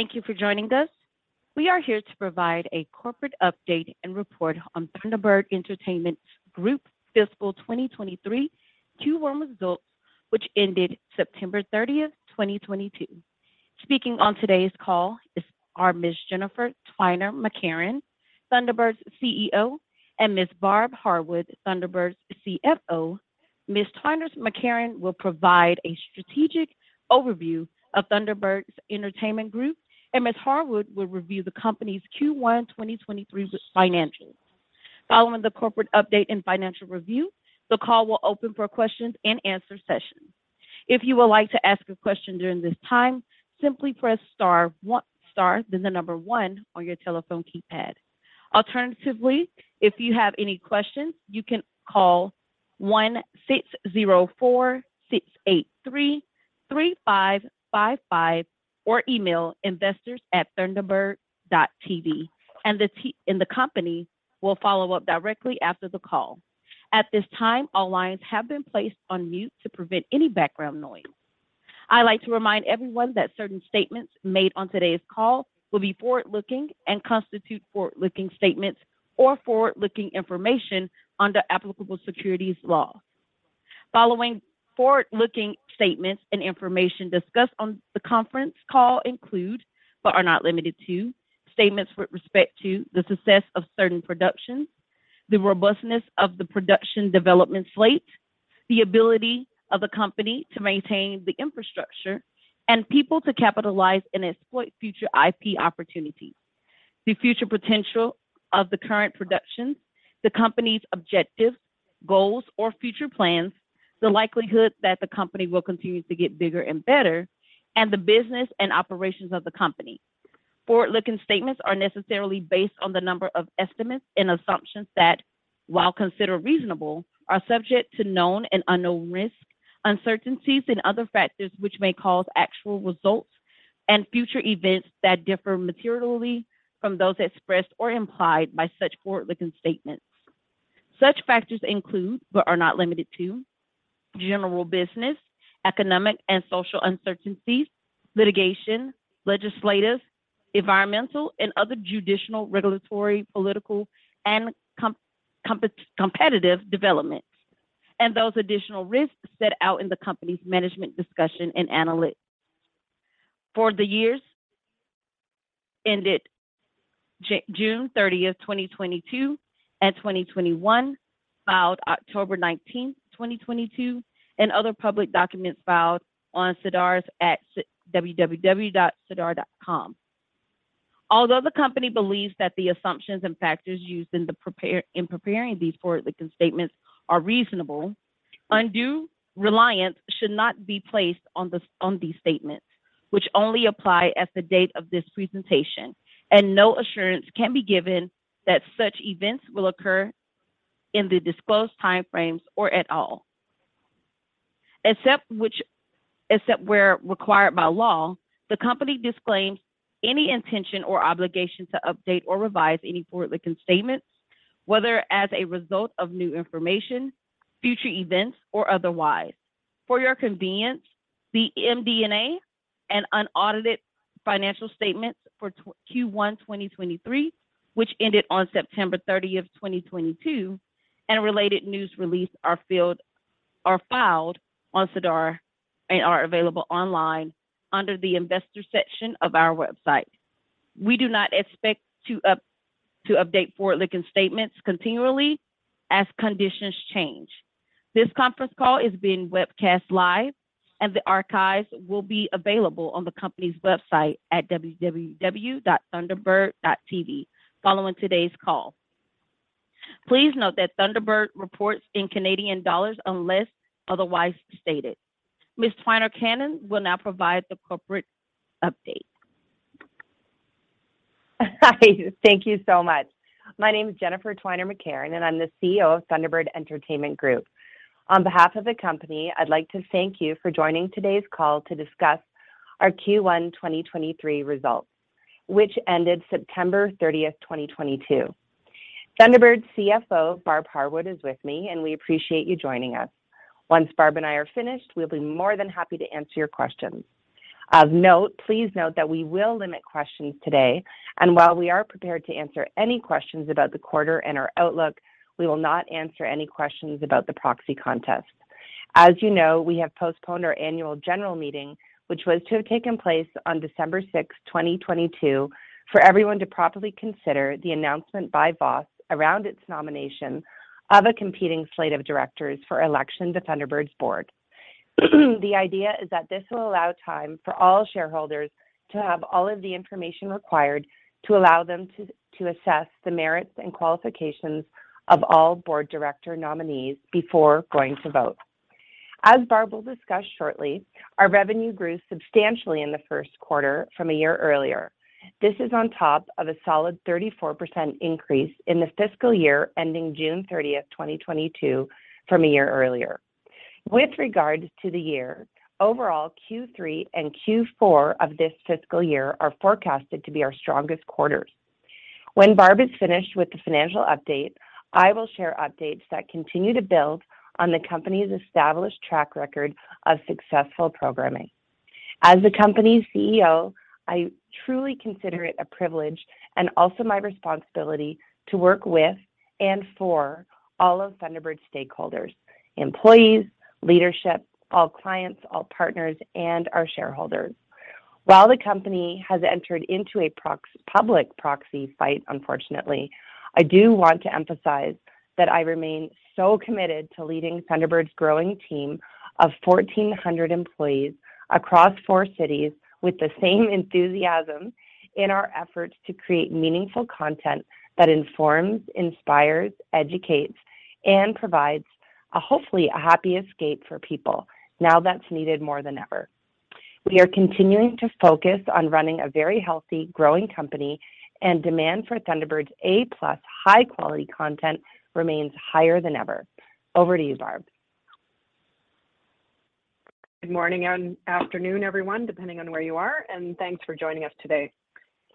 Thank you for joining us. We are here to provide a corporate update and report on Thunderbird Entertainment Group fiscal 2023 Q1 results, which ended September 30, 2022. Speaking on today's call are Ms. Jennifer Twiner McCarron, Thunderbird's CEO, and Ms. Barb Harwood, Thunderbird's CFO. Ms. Twiner McCarron will provide a strategic overview of Thunderbird Entertainment Group, and Ms. Harwood will review the company's Q1 2023 financials. Following the corporate update and financial review, the call will open for questions and answer session. If you would like to ask a question during this time, simply press star, then the number one on your telephone keypad. Alternatively, if you have any questions, you can call 1-604-683-3555 or email investors@thunderbird.tv, and the company will follow up directly after the call. At this time, all lines have been placed on mute to prevent any background noise. I'd like to remind everyone that certain statements made on today's call will be forward-looking and constitute forward-looking statements or forward-looking information under applicable securities law. Following forward-looking statements and information discussed on the conference call include, but are not limited to, statements with respect to the success of certain productions, the robustness of the production development slate, the ability of the company to maintain the infrastructure and people to capitalize and exploit future IP opportunities, the future potential of the current productions, the company's objectives, goals, or future plans, the likelihood that the company will continue to get bigger and better, and the business and operations of the company. Forward-looking statements are necessarily based on a number of estimates and assumptions that, while considered reasonable, are subject to known and unknown risks, uncertainties, and other factors which may cause actual results and future events to differ materially from those expressed or implied by such forward-looking statements. Such factors include, but are not limited to, general business, economic and social uncertainties, litigation, legislative, environmental, and other judicial, regulatory, political, and competitive developments, and those additional risks set out in the company's Management Discussion and Analysis for the years ended June 30th, 2022 and 2021, filed October 19th, 2022, and other public documents filed on SEDAR at www.sedar.com. Although the company believes that the assumptions and factors used in preparing these forward-looking statements are reasonable, undue reliance should not be placed on these statements, which only apply at the date of this presentation, and no assurance can be given that such events will occur in the disclosed time frames or at all. Except where required by law, the company disclaims any intention or obligation to update or revise any forward-looking statements, whether as a result of new information, future events, or otherwise. For your convenience, the MD&A and unaudited financial statements for Q1 2023, which ended on September 30, 2022, and related news release are filed on SEDAR and are available online under the Investor section of our website. We do not expect to update forward-looking statements continually as conditions change. This conference call is being webcast live and the archives will be available on the company's website at www.thunderbird.tv following today's call. Please note that Thunderbird reports in Canadian dollars unless otherwise stated. Ms. Twiner McCarron will now provide the corporate update. Hi. Thank you so much. My name is Jennifer Twiner McCarron, and I'm the CEO of Thunderbird Entertainment Group. On behalf of the company, I'd like to thank you for joining today's call to discuss our Q1 2023 results, which ended September 30th, 2022. Thunderbird's CFO, Barb Harwood, is with me, and we appreciate you joining us. Once Barb and I are finished, we'll be more than happy to answer your questions. Of note, please note that we will limit questions today, and while we are prepared to answer any questions about the quarter and our outlook, we will not answer any questions about the proxy contest. As you know, we have postponed our annual general meeting, which was to have taken place on December 6th, 2022, for everyone to properly consider the announcement by Voss around its nomination of a competing slate of directors for election to Thunderbird's board. The idea is that this will allow time for all shareholders to have all of the information required to allow them to assess the merits and qualifications of all board director nominees before going to vote. As Barb will discuss shortly, our revenue grew substantially in the first quarter from a year earlier. This is on top of a solid 34% increase in the fiscal year ending June 30th, 2022, from a year earlier. With regards to the year, overall Q3 and Q4 of this fiscal year are forecasted to be our strongest quarters. When Barb is finished with the financial update, I will share updates that continue to build on the company's established track record of successful programming. As the company's CEO, I truly consider it a privilege and also my responsibility to work with and for all of Thunderbird stakeholders, employees, leadership, all clients, all partners, and our shareholders. While the company has entered into a public proxy fight, unfortunately, I do want to emphasize that I remain so committed to leading Thunderbird's growing team of 1,400 employees across four cities with the same enthusiasm in our efforts to create meaningful content that informs, inspires, educates, and provides a hopefully happy escape for people now that's needed more than ever. We are continuing to focus on running a very healthy growing company, and demand for Thunderbird's A+ high-quality content remains higher than ever. Over to you, Barb. Good morning and afternoon, everyone, depending on where you are, and thanks for joining us today.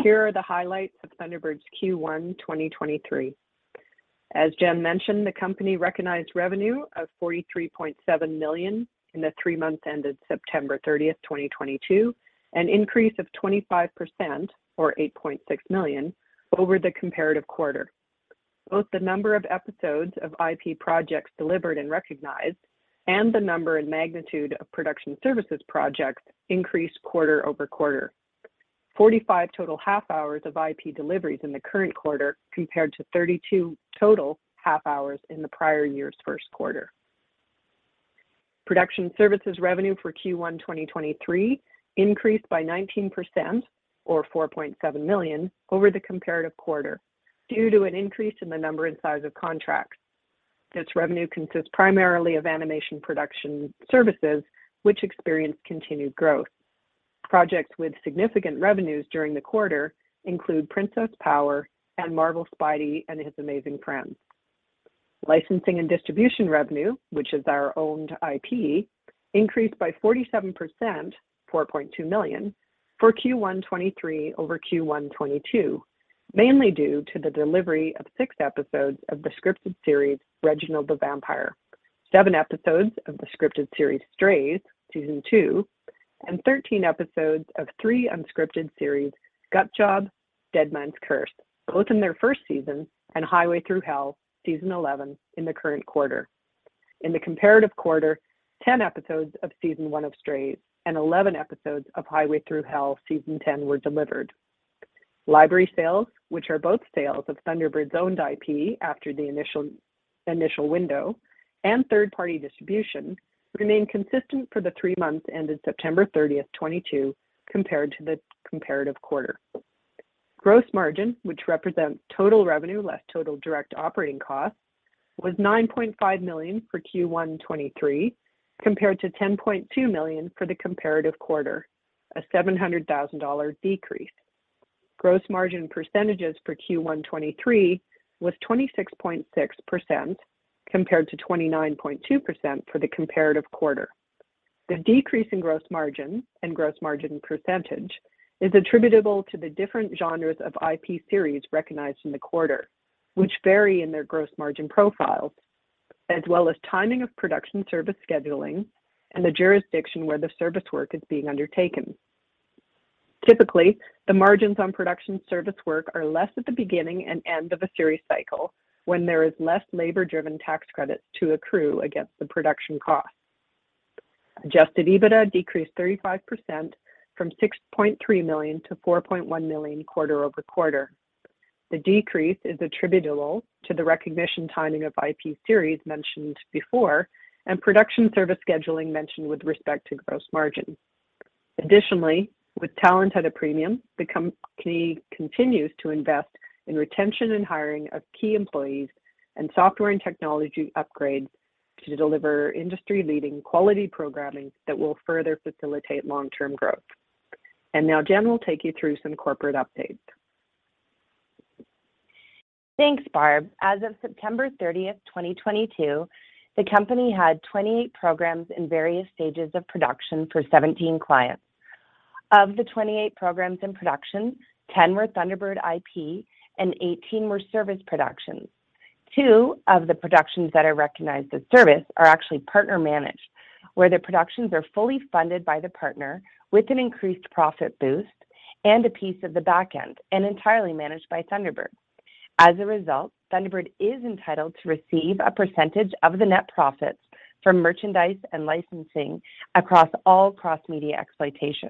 Here are the highlights of Thunderbird's Q1 2023. As Jen mentioned, the company recognized revenue of 43.7 million in the three months ended September 30th, 2022, an increase of 25% or 8.6 million over the comparative quarter. Both the number of episodes of IP projects delivered and recognized and the number and magnitude of production services projects increased quarter-over-quarter. 45 total half-hours of IP deliveries in the current quarter compared to 32 total half-hours in the prior year's first quarter. Production services revenue for Q1 2023 increased by 19% or 4.7 million over the comparative quarter due to an increase in the number and size of contracts. This revenue consists primarily of animation production services, which experienced continued growth. Projects with significant revenues during the quarter include Princess Power and Marvel's Spidey and His Amazing Friends. Licensing and distribution revenue, which is our owned IP, increased by 47%, 4.2 million for Q1 2023 over Q1 2022, mainly due to the delivery of six episodes of the scripted series, Reginald the Vampire, seven episodes of the scripted series, Strays Season 2, and 13 episodes of three unscripted series, Gut Job, Deadman's Curse, both in their first season, and Highway Thru Hell Season 11 in the current quarter. In the comparative quarter, 10 episodes of Season 1 of Strays and 11 episodes of Highway Thru Hell Season 10 were delivered. Library sales, which are both sales of Thunderbird's owned IP after the initial window and third-party distribution, remain consistent for the three months ended September 30th, 2022, compared to the comparative quarter. Gross margin, which represents total revenue less total direct operating costs, was 9.5 million for Q1 2023, compared to 10.2 million for the comparative quarter, a 700 thousand dollar decrease. Gross margin percentages for Q1 2023 was 26.6% compared to 29.2% for the comparative quarter. The decrease in gross margin and gross margin percentage is attributable to the different genres of IP series recognized in the quarter, which vary in their gross margin profiles, as well as timing of production service scheduling and the jurisdiction where the service work is being undertaken. Typically, the margins on production service work are less at the beginning and end of a series cycle when there is less labor-driven tax credits to accrue against the production costs. Adjusted EBITDA decreased 35% from 6.3 million-4.1 million quarter-over-quarter. The decrease is attributable to the recognition timing of IP series mentioned before and production service scheduling mentioned with respect to gross margin. Additionally, with talent at a premium, the company continues to invest in retention and hiring of key employees and software and technology upgrades to deliver industry-leading quality programming that will further facilitate long-term growth. Now Jen will take you through some corporate updates. Thanks, Barb. As of September 30, 2022, the company had 28 programs in various stages of production for 17 clients. Of the 28 programs in production, 10 were Thunderbird IP and 18 were service productions. Two of the productions that are recognized as service are actually partner-managed, where the productions are fully funded by the partner with an increased profit boost and a piece of the back end and entirely managed by Thunderbird. As a result, Thunderbird is entitled to receive a percentage of the net profits from merchandise and licensing across all cross-media exploitation.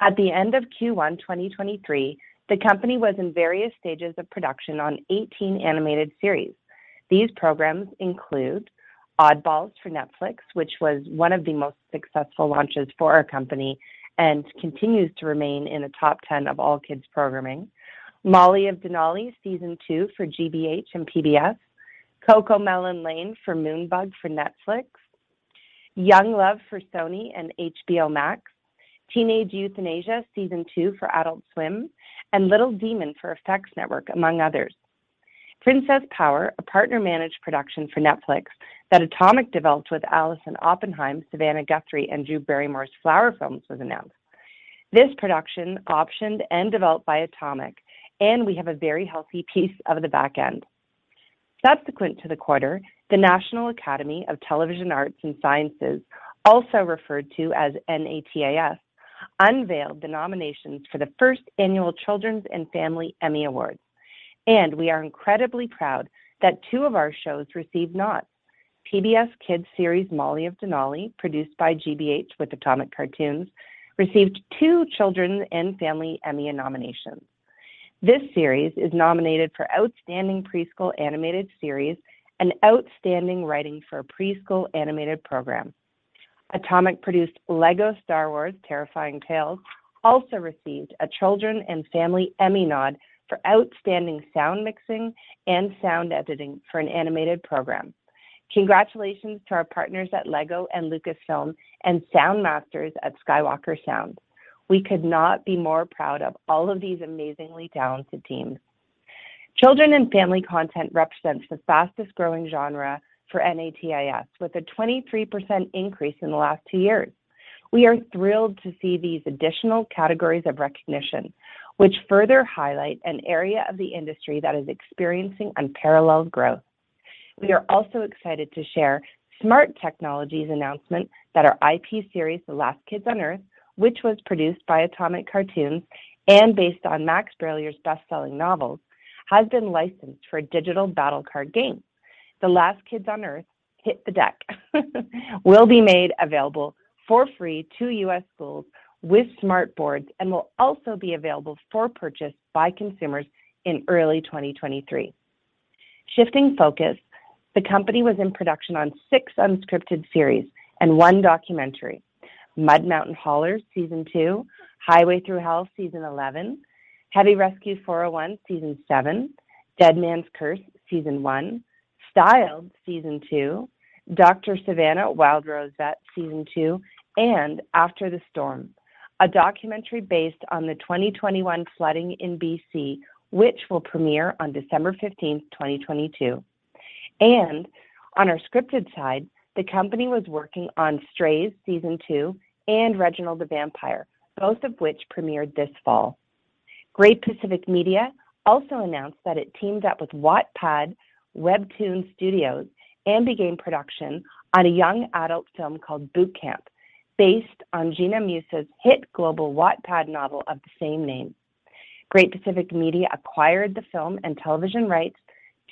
At the end of Q1 2023, the company was in various stages of production on 18 animated series. These programs include Oddballs for Netflix, which was one of the most successful launches for our company and continues to remain in the top 10 of all kids' programming. Molly of Denali Season 2 for GBH and PBS, CoComelon Lane for Moonbug for Netflix, Young Love for Sony and HBO Max, Teenage Euthanasia Season 2 for Adult Swim, and Little Demon for FX Networks, among others. Princess Power, a partner-managed production for Netflix that Atomic developed with Allison Oppenheim, Savannah Guthrie, and Drew Barrymore's Flower Films was announced. This production optioned and developed by Atomic, and we have a very healthy piece of the back end. Subsequent to the quarter, the National Academy of Television Arts and Sciences, also referred to as NATAS, unveiled the nominations for the first annual Children's & Family Emmy Awards. We are incredibly proud that two of our shows received nods. PBS Kids series, Molly of Denali, produced by GBH with Atomic Cartoons, received two Children's & Family Emmy nominations. This series is nominated for Outstanding Preschool Animated Series and Outstanding Writing for a Preschool Animated Program. Atomic-produced Lego Star Wars: Terrifying Tales also received a Children and Family Emmy nod for Outstanding Sound Mixing and Sound Editing for an Animated Program. Congratulations to our partners at Lego and Lucasfilm and sound masters at Skywalker Sound. We could not be more proud of all of these amazingly talented teams. Children and Family content represents the fastest-growing genre for NATAS, with a 23% increase in the last two years. We are thrilled to see these additional categories of recognition, which further highlight an area of the industry that is experiencing unparalleled growth. We are also excited to share SMART Technologies announcement that our IP series, The Last Kids on Earth, which was produced by Atomic Cartoons and based on Max Brallier's best-selling novels, has been licensed for a digital battle card game. The Last Kids on Earth: Hit the Deck will be made available for free to U.S. schools with SMART boards and will also be available for purchase by consumers in early 2023. Shifting focus, the company was in production on six unscripted series and one documentary. Mud Mountain Haulers Season 2, Highway Thru Hell Season 11, Heavy Rescue: 401 Season Seven, Deadman's Curse Season 1, Styled Season 2, Dr. Savannah: Wild Rose Vet Season 2, and After the Storm, a documentary based on the 2021 flooding in B.C., which will premiere on December 15th, 2022. On our scripted side, the company was working on Strays, Season 2 and Reginald the Vampire, both of which premiered this fall. Great Pacific Media also announced that it teamed up with Wattpad WEBTOON Studios and began production on a young adult film called Boot Camp, based on Gina Musa's hit global Wattpad novel of the same name. Great Pacific Media acquired the film and television rights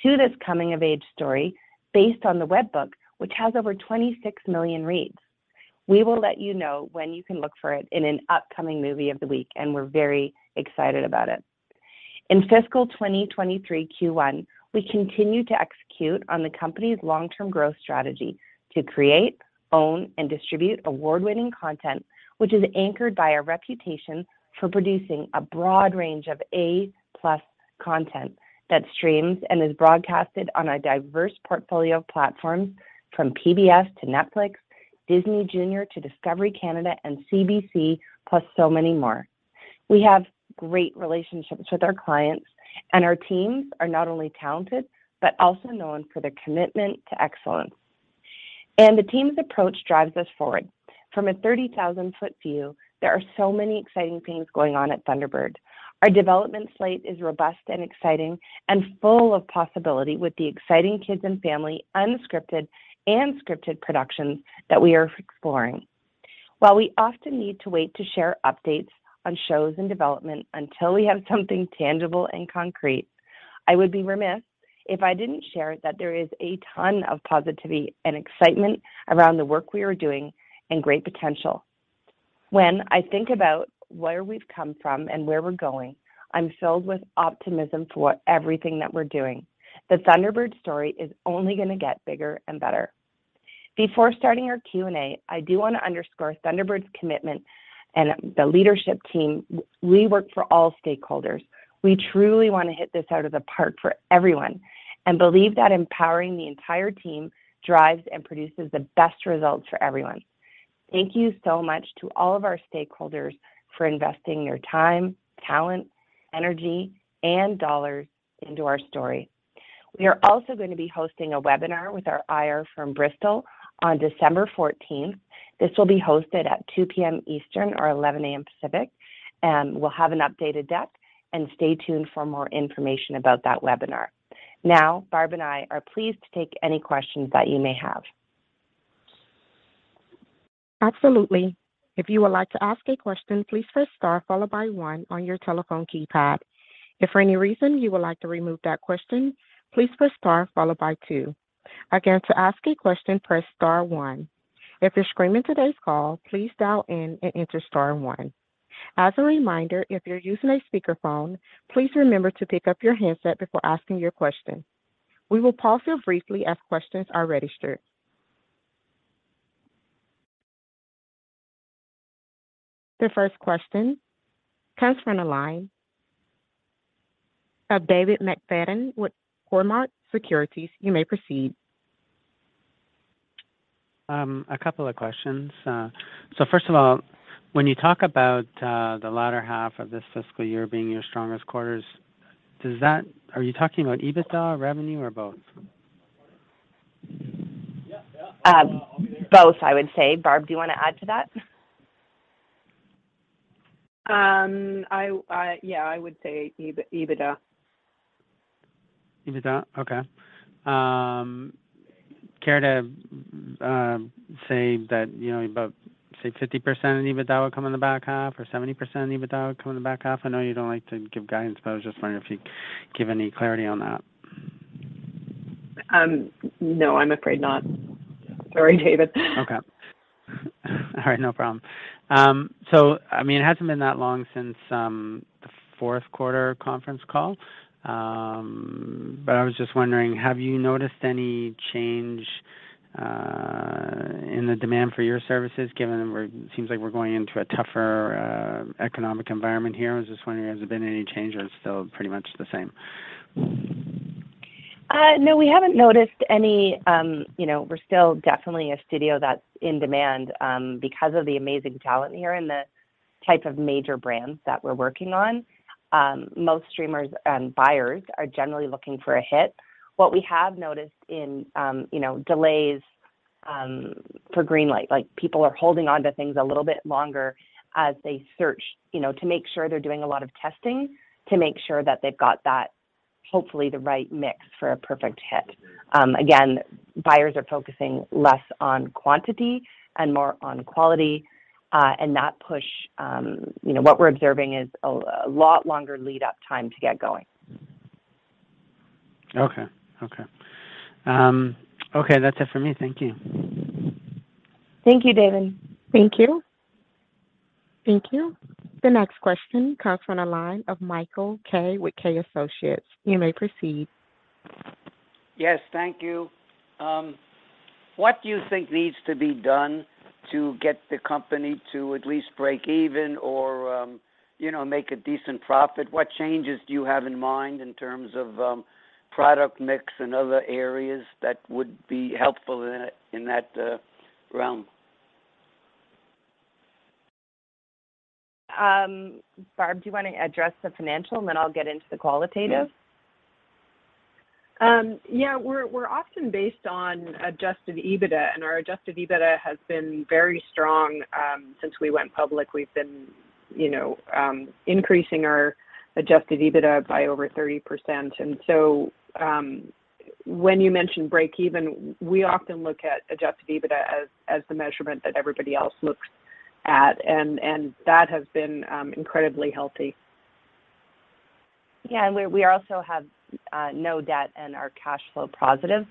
to this coming-of-age story based on the web book, which has over 26 million reads. We will let you know when you can look for it in an upcoming movie of the week, and we're very excited about it. In fiscal 2023 Q1, we continued to execute on the company's long-term growth strategy to create, own, and distribute award-winning content, which is anchored by a reputation for producing a broad range of A+ content that streams and is broadcasted on a diverse portfolio of platforms from PBS to Netflix, Disney Junior to Discovery Canada and CBC, plus so many more. We have great relationships with our clients, and our teams are not only talented, but also known for their commitment to excellence. The team's approach drives us forward. From a 30,000 foot view, there are so many exciting things going on at Thunderbird. Our development slate is robust and exciting and full of possibility with the exciting kids and family unscripted and scripted productions that we are exploring. While we often need to wait to share updates on shows in development until we have something tangible and concrete, I would be remiss if I didn't share that there is a ton of positivity and excitement around the work we are doing and great potential. When I think about where we've come from and where we're going, I'm filled with optimism for everything that we're doing. The Thunderbird story is only gonna get bigger and better. Before starting our Q&A, I do want to underscore Thunderbird's commitment and the leadership team. We work for all stakeholders. We truly want to hit this out of the park for everyone and believe that empowering the entire team drives and produces the best results for everyone. Thank you so much to all of our stakeholders for investing your time, talent, energy, and dollars into our story. We are also going to be hosting a webinar with our IR from Bristol on December 14th. This will be hosted at 2:00 P.M. Eastern or 11:00 A.M. Pacific, and we'll have an updated deck. Stay tuned for more information about that webinar. Now, Barb and I are pleased to take any questions that you may have. Absolutely. If you would like to ask a question, please press star followed by one on your telephone keypad. If for any reason you would like to remove that question, please press star followed by two. Again, to ask a question, press star one. If you're streaming today's call, please dial in and enter star one. As a reminder, if you're using a speakerphone, please remember to pick up your handset before asking your question. We will pause here briefly as questions are registered. The first question comes from the line of David McFadgen with Cormark Securities. You may proceed. A couple of questions. First of all, when you talk about the latter half of this fiscal year being your strongest quarters, are you talking about EBITDA, revenue, or both? Yeah, yeah. Both, I would say. Barb, do you wanna add to that? Yeah, I would say EBITDA. EBITDA? Okay. Care to say that, you know, about, say 50% of EBITDA would come in the back half or 70% of EBITDA would come in the back half? I know you don't like to give guidance, but I was just wondering if you'd give any clarity on that. No, I'm afraid not. Sorry, David. Okay. All right, no problem. I mean, it hasn't been that long since the fourth quarter conference call. I was just wondering, have you noticed any change in the demand for your services, given it seems like we're going into a tougher economic environment here? I was just wondering, has there been any change, or it's still pretty much the same? No, we haven't noticed any, you know. We're still definitely a studio that's in demand because of the amazing talent here and the type of major brands that we're working on. Most streamers and buyers are generally looking for a hit. What we have noticed in, you know, delays for green light, like people are holding onto things a little bit longer as they search, you know, to make sure they're doing a lot of testing to make sure that they've got that, hopefully the right mix for a perfect hit. Again, buyers are focusing less on quantity and more on quality, and that push, you know, what we're observing is a lot longer lead-up time to get going. Okay. That's it for me. Thank you. Thank you, David. Thank you. Thank you. The next question comes from the line of Michael Kay with Kay Associates. You may proceed. Yes, thank you. What do you think needs to be done to get the company to at least break even or, you know, make a decent profit? What changes do you have in mind in terms of product mix and other areas that would be helpful in that realm? Barb, do you wanna address the financial, and then I'll get into the qualitative? Yeah. We're often based on adjusted EBITDA, and our adjusted EBITDA has been very strong since we went public. We've been, you know, increasing our adjusted EBITDA by over 30%. When you mention break-even, we often look at adjusted EBITDA as the measurement that everybody else looks at, and that has been incredibly healthy. We also have no debt and are cash flow positive.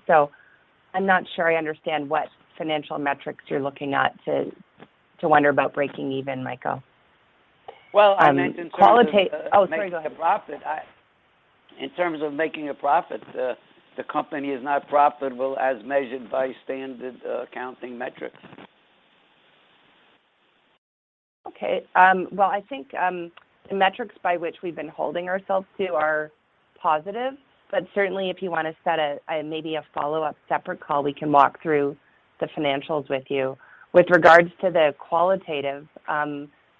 I'm not sure I understand what financial metrics you're looking at to wonder about breaking even, Michael. Well, I meant in terms of.... Oh, sorry. Go ahead. In terms of making a profit, the company is not profitable as measured by standard accounting metrics. Okay. Well, I think the metrics by which we've been holding ourselves to are positive, but certainly if you wanna set maybe a follow-up separate call, we can walk through the financials with you. With regards to the qualitative,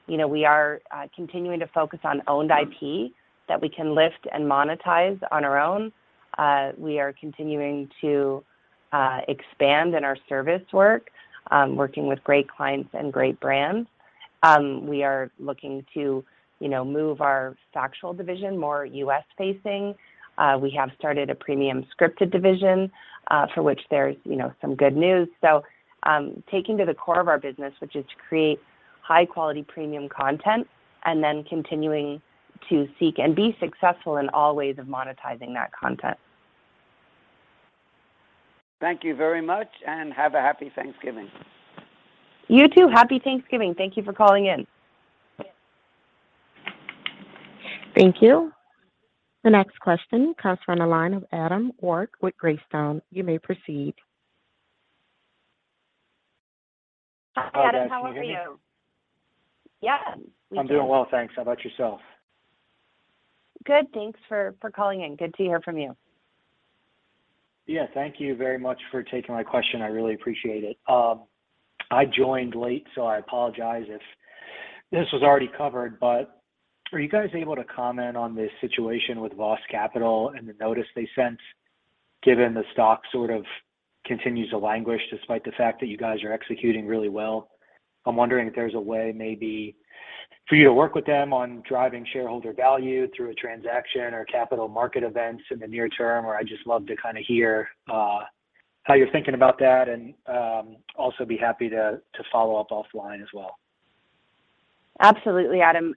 you know, we are continuing to focus on owned IP that we can lift and monetize on our own. We are continuing to expand in our service work, working with great clients and great brands. We are looking to, you know, move our factual division more U.S.-facing. We have started a premium scripted division for which there's, you know, some good news. Taking to the core of our business, which is to create high-quality premium content, and then continuing to seek and be successful in all ways of monetizing that content. Thank you very much, and have a Happy Thanksgiving. You too. Happy Thanksgiving. Thank you for calling in. Thank you. The next question comes from the line of Adam Wilk with Greystone. You may proceed. Hi, Adam. How are you? Hi, guys. Can you hear me? Yeah. We can. I'm doing well, thanks. How about yourself? Good. Thanks for calling in. Good to hear from you. Yeah, thank you very much for taking my question. I really appreciate it. I joined late, so I apologize if this was already covered. Are you guys able to comment on the situation with Voss Capital and the notice they sent, given the stock sort of continues to languish despite the fact that you guys are executing really well? I'm wondering if there's a way maybe for you to work with them on driving shareholder value through a transaction or capital market events in the near term. I'd just love to kinda hear how you're thinking about that and also be happy to follow up offline as well. Absolutely, Adam.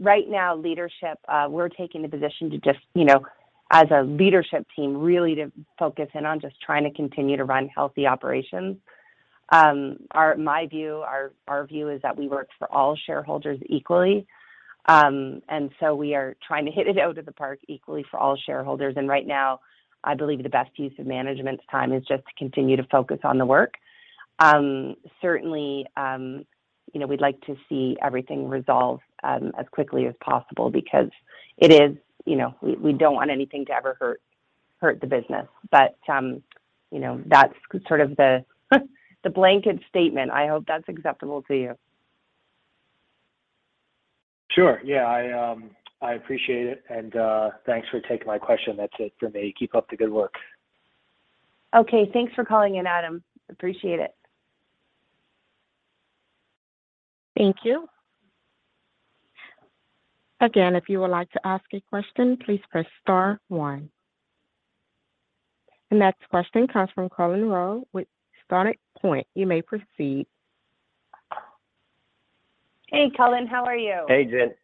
Right now, leadership, we're taking the position to just, you know, as a leadership team, really to focus in on just trying to continue to run healthy operations. My view, our view is that we work for all shareholders equally. We are trying to hit it out of the park equally for all shareholders. Right now, I believe the best use of management's time is just to continue to focus on the work. Certainly, you know, we'd like to see everything resolved as quickly as possible because, you know, we don't want anything to ever hurt the business. You know, that's sort of the blanket statement. I hope that's acceptable to you. Sure. Yeah. I appreciate it. Thanks for taking my question. That's it for me. Keep up the good work. Okay. Thanks for calling in, Adam. Appreciate it. Thank you. Again, if you would like to ask a question, please press star one. The next question comes from Cullen Rose with Stoic Point. You may proceed. Hey, Cullen. How are you? Hey, Jen.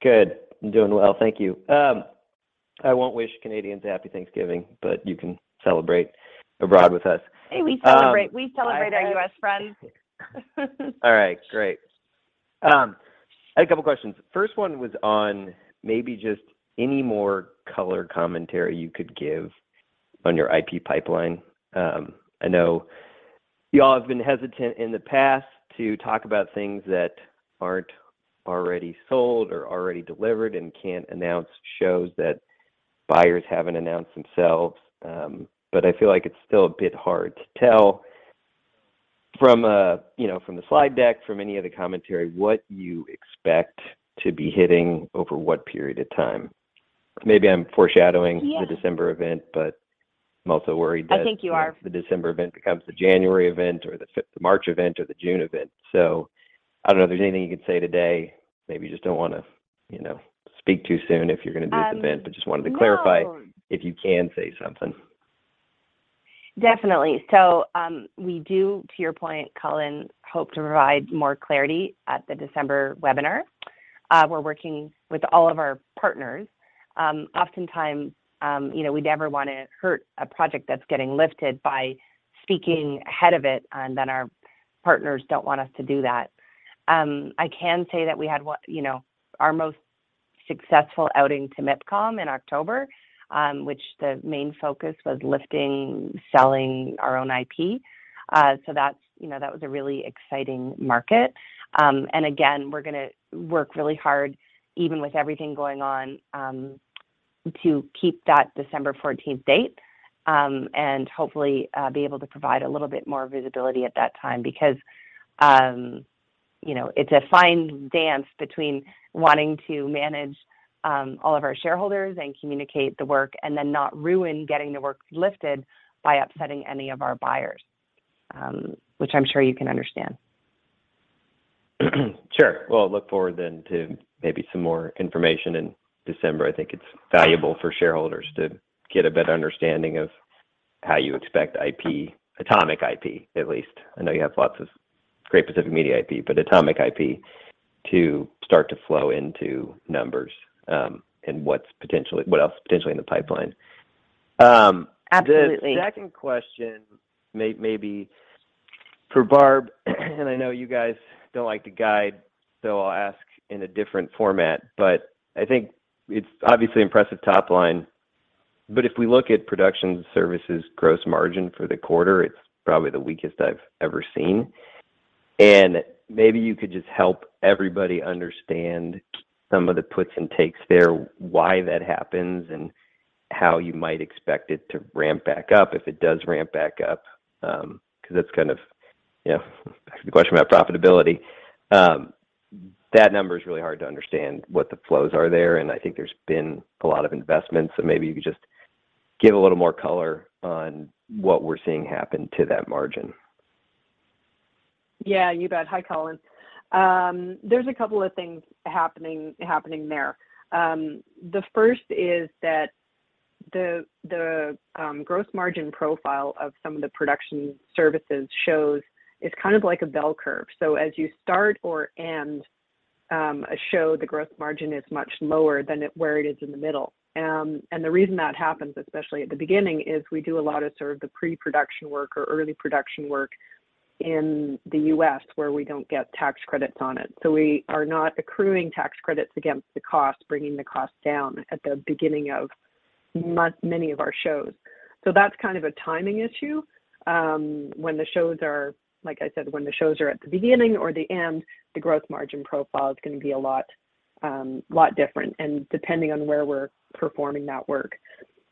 Good. I'm doing well. Thank you. I won't wish Canadians a Happy Thanksgiving, but you can celebrate abroad with us. Hey, we celebrate our U.S. friends. All right. Great. I had a couple questions. First one was on maybe just any more color commentary you could give on your IP pipeline. I know y'all have been hesitant in the past to talk about things that aren't already sold or already delivered and can't announce shows that buyers haven't announced themselves. I feel like it's still a bit hard to tell from, you know, the slide deck, from any of the commentary, what you expect to be hitting over what period of time. Maybe I'm foreshadowing- Yeah.... the December event. I think you are. The December event becomes the January event or the March event or the June event. I don't know if there's anything you can say today. Maybe you just don't wanna, you know, speak too soon if you're gonna do this event. No. Just wanted to clarify if you can say something. Definitely. We do, to your point, Cullen, hope to provide more clarity at the December webinar. We're working with all of our partners. Oftentimes, you know, we never wanna hurt a project that's getting lifted by speaking ahead of it, and then our partners don't want us to do that. I can say that we had, you know, our most successful outing to MIPCOM in October, which the main focus was lifting, selling our own IP. That was, you know, a really exciting market. Again, we're gonna work really hard, even with everything going on, to keep that December 14th date and hopefully be able to provide a little bit more visibility at that time because, you know, it's a fine dance between wanting to manage all of our shareholders and communicate the work and then not ruin getting the work lifted by upsetting any of our buyers, which I'm sure you can understand. Sure. Well, look forward then to maybe some more information in December. I think it's valuable for shareholders to get a better understanding of how you expect IP, Atomic IP at least. I know you have lots of Great Pacific Media IP, but Atomic IP to start to flow into numbers and what else potentially in the pipeline. Absolutely. The second question may be for Barb. I know you guys don't like to guide, so I'll ask in a different format. I think it's obviously impressive top line. If we look at production services gross margin for the quarter, it's probably the weakest I've ever seen. Maybe you could just help everybody understand some of the puts and takes there, why that happens, and how you might expect it to ramp back up, if it does ramp back up, 'cause that's kind of, you know, the question about profitability. That number is really hard to understand what the flows are there, and I think there's been a lot of investments. Maybe you could just give a little more color on what we're seeing happen to that margin. Yeah, you bet. Hi, Cullen. There's a couple of things happening there. The first is that the gross margin profile of some of the production services shows is kind of like a bell curve. As you start or end a show, the gross margin is much lower than where it is in the middle. The reason that happens, especially at the beginning, is we do a lot of sort of the pre-production work or early production work in the U.S. where we don't get tax credits on it. We are not accruing tax credits against the cost, bringing the cost down at the beginning of many of our shows. That's kind of a timing issue. When the shows are, like I said, at the beginning or the end, the gross margin profile is gonna be a lot different, and depending on where we're performing that work.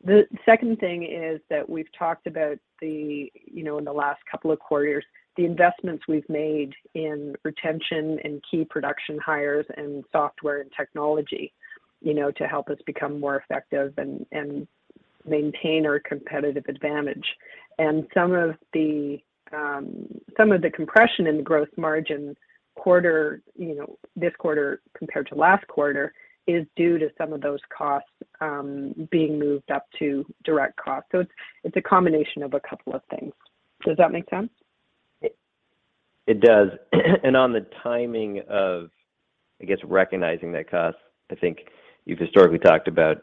The second thing is that we've talked about, you know, in the last couple of quarters, the investments we've made in retention and key production hires and software and technology, you know, to help us become more effective and maintain our competitive advantage. Some of the compression in the gross margin quarter, you know, this quarter compared to last quarter, is due to some of those costs being moved up to direct costs. It's a combination of a couple of things. Does that make sense? It does. On the timing of, I guess, recognizing that cost, I think you've historically talked about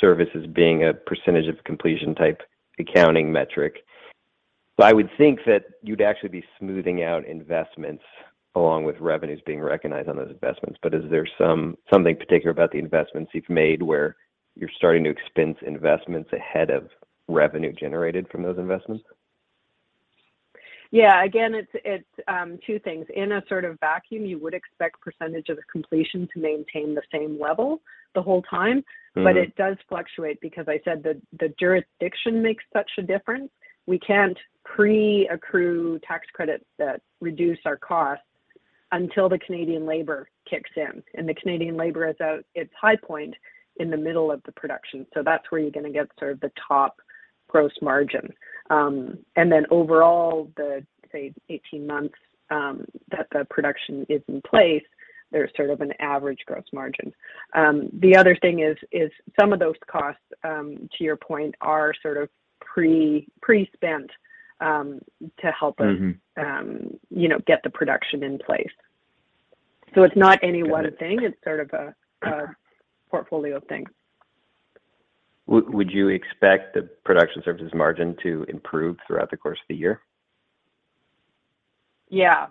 services being a percentage of completion type accounting metric. I would think that you'd actually be smoothing out investments along with revenues being recognized on those investments. Is there something particular about the investments you've made where you're starting to expense investments ahead of revenue generated from those investments? Yeah. Again, it's two things. In a sort of vacuum, you would expect % of the completion to maintain the same level the whole time. Mm-hmm. It does fluctuate because I said the jurisdiction makes such a difference. We can't pre-accrue tax credits that reduce our costs until the Canadian labor kicks in, and the Canadian labor is at its high point in the middle of the production. That's where you're gonna get sort of the top gross margin. Overall the, say, 18 months that the production is in place, there's sort of an average gross margin. The other thing is some of those costs, to your point, are sort of pre-spent. Mm-hmm. You know, get the production in place. It's not any one thing. Got it. It's sort of a portfolio thing. Would you expect the production services margin to improve throughout the course of the year? Yeah.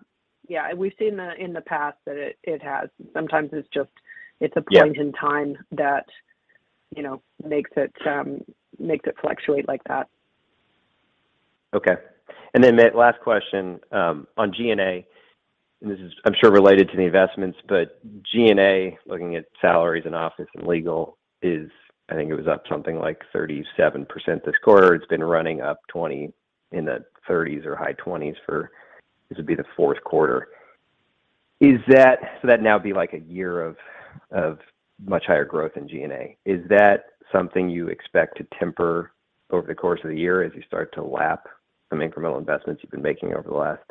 Yeah. We've seen in the past that it has. Sometimes it's just a point. Yeah. In time that, you know, makes it fluctuate like that. Last question on G&A, and this is I'm sure related to the investments, but G&A, looking at salaries and office and legal is, I think it was up something like 37% this quarter. It's been running up in the 30s or high 20s for, this would be the fourth quarter. That now would be like a year of much higher growth in G&A. Is that something you expect to temper over the course of the year as you start to lap some incremental investments you've been making over the last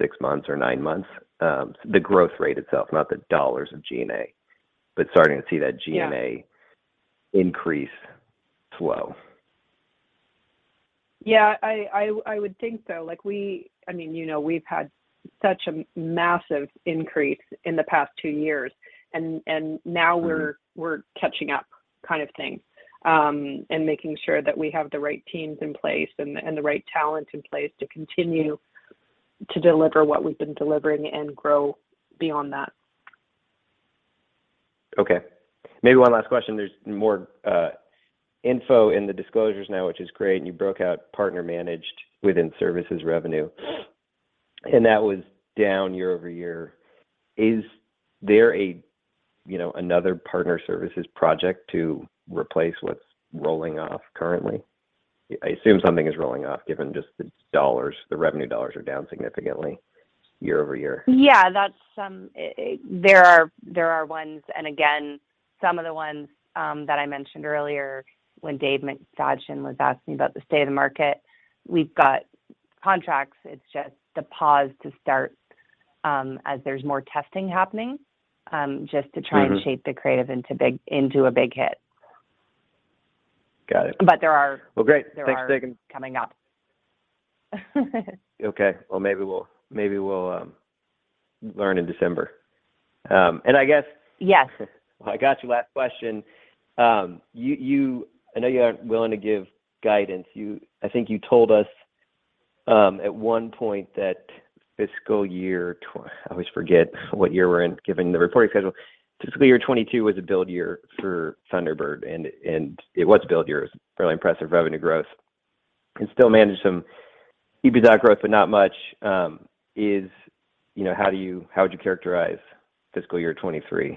six months or nine months? The growth rate itself, not the dollars of G&A, but starting to see that G&A- Yeah.... increase slow. Yeah. I would think so. Like, I mean, you know, we've had such a massive increase in the past two years. Mm-hmm. We're catching up kind of thing and making sure that we have the right teams in place and the right talent in place to continue to deliver what we've been delivering and grow beyond that. Okay. Maybe one last question. There's more info in the disclosures now, which is great. You broke out partner managed within services revenue, and that was down year-over-year. Is there, you know, another partner services project to replace what's rolling off currently? I assume something is rolling off given just the dollars, the revenue dollars are down significantly year-over-year. Yeah. There are ones. Again, some of the ones that I mentioned earlier when David McFadgen was asking about the state of the market, we've got contracts. It's just the pause to start as there's more testing happening just to try to- Mm-hmm.... shape the creative into a big hit. Got it. But there are- Well, great. Thanks, Jen.... there are coming up. Okay. Well, maybe we'll learn in December. I guess. Yes. I got you. Last question. I know you aren't willing to give guidance. I think you told us at one point. I always forget what year we're in, given the reporting schedule. Fiscal year 2022 was a build year for Thunderbird, and it was a build year. It was fairly impressive revenue growth and still managed some EBITDA growth, but not much. You know, how would you characterize fiscal year 2023?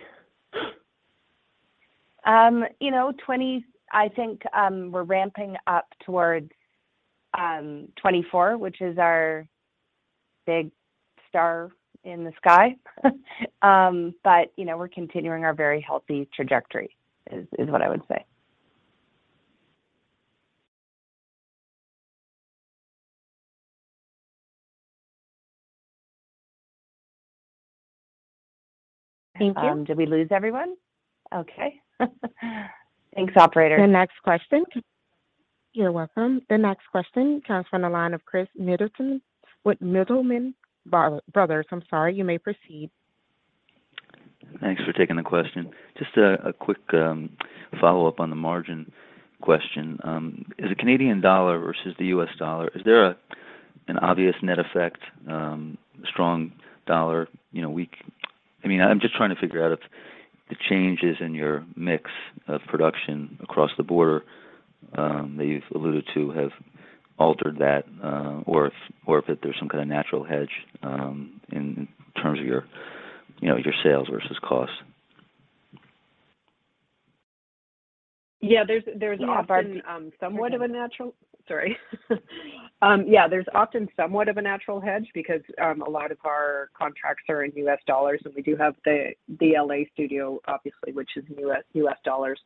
You know, I think we're ramping up towards 2024, which is our big star in the sky. You know, we're continuing our very healthy trajectory is what I would say. Thank you. Did we lose everyone? Okay. Thanks, operator. You're welcome. The next question comes from the line of Chris Mittleman with Mittleman Bro-Brothers. I'm sorry. You may proceed. Thanks for taking the question. Just a quick follow-up on the margin question. As a Canadian dollar versus the U.S. dollar, is there an obvious net effect, strong dollar, you know? I mean, I'm just trying to figure out if the changes in your mix of production across the border that you've alluded to have altered that, or if there's some kind of natural hedge in terms of, you know, your sales versus cost. Yeah. There's often- Yeah. Pardon.... yeah, there's often somewhat of a natural hedge because a lot of our contracts are in U.S. dollars, and we do have the L.A. studio, obviously, which is U.S. dollars.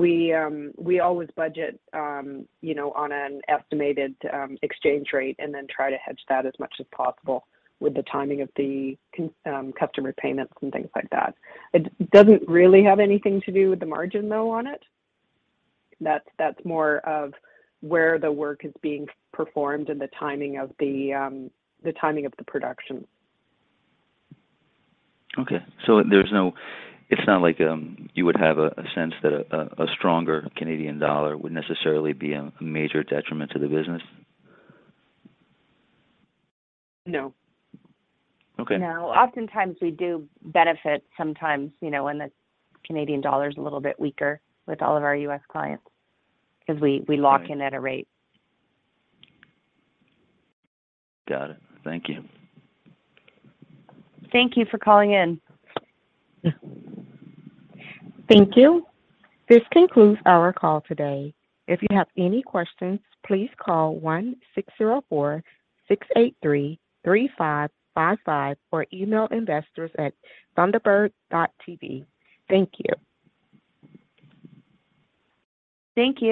We always budget, you know, on an estimated exchange rate, and then try to hedge that as much as possible with the timing of the customer payments and things like that. It doesn't really have anything to do with the margin though on it. That's more of where the work is being performed and the timing of the production. Okay. It's not like you would have a sense that a stronger Canadian dollar would necessarily be a major detriment to the business? No. Okay. No. Oftentimes we do benefit sometimes, you know, when the Canadian dollar is a little bit weaker with all of our U.S. clients because we lock in at a rate. Got it. Thank you. Thank you for calling in. Thank you. This concludes our call today. If you have any questions, please call 1-604-683-3555 or email investors@thunderbird.tv. Thank you. Thank you.